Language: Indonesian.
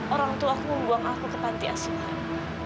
orangtuaku membuang aku ke pantiasuhan